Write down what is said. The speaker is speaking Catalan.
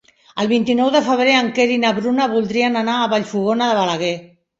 El vint-i-nou de febrer en Quer i na Bruna voldrien anar a Vallfogona de Balaguer.